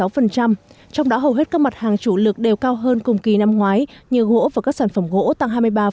trong đó hầu hết các mặt hàng chủ lực đều cao hơn cùng kỳ năm ngoái như gỗ và các sản phẩm gỗ tăng hai mươi ba